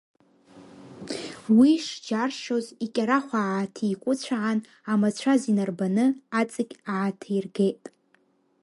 Уи шџьаршьоз, икьарахә ааҭикәыцәаан, амацәаз инарбаны, аҵықь ааҭиргеит.